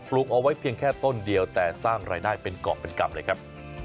ลูกเอาไว้เพียงแค่ต้นเดียวแต่สร้างรายได้เป็นกรอบเป็นกรรมเลยครับ